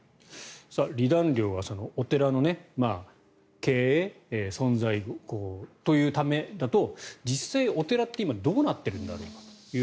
離檀料はお寺の経営存在というためだと実際お寺って今どうなっているんだろうという。